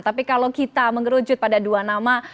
tapi kalau kita mengerucut pada dua nama